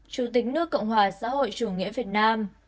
chủ tịch nước cộng hòa xã hội chủ nghĩa việt nam